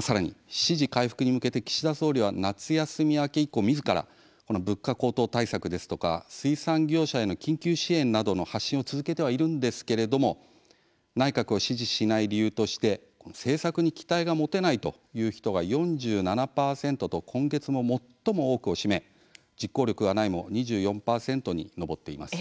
さらに、支持回復に向けて岸田総理は、夏休み明け以降みずから、物価高騰対策ですとか水産業者への緊急支援などの発信を続けてはいるんですけれども内閣を支持しない理由として政策に期待が持てないという人が４７％と、今月も最も多くを占め実行力がない、も２４％に上っています。